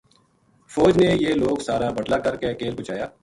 فوج نے یہ لوک سارا بٹلا کر کے کیل پوہچایا